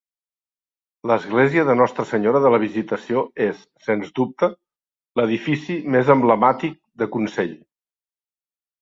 L'església de Nostra Senyora de la Visitació és, sens dubte, l'edifici més emblemàtic de Consell.